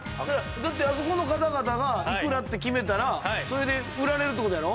だってあそこの方々がいくらって決めたらそれで売られるって事やろ？